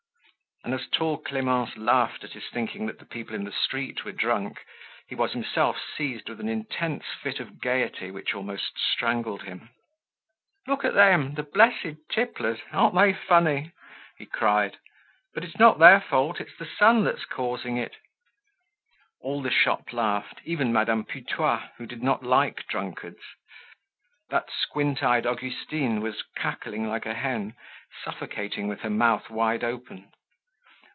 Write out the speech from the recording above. And as tall Clemence laughed at his thinking that the people in the street were drunk, he was himself seized with an intense fit of gaiety which almost strangled him. "Look at them! The blessed tipplers! Aren't they funny?" he cried. "But it's not their fault. It's the sun that's causing it." All the shop laughed, even Madame Putois, who did not like drunkards. That squint eyed Augustine was cackling like a hen, suffocating with her mouth wide open.